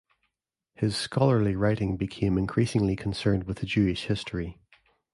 His scholarly writing became increasingly concerned with Jewish history.